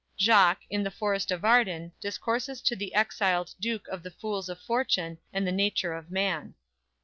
"_ Jaques, in the forest of Arden, discourses to the exiled Duke of the fools of fortune, and the nature of man.